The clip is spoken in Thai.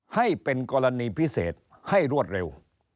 ให้เป็นกรณีพิเศษให้รวดเร็ว